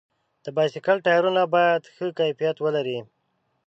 د بایسکل ټایرونه باید ښه کیفیت ولري.